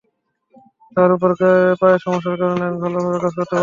তার ওপর পায়ে সমস্যার কারণে আমি ভালোভাবে কাজ করতে পারি না।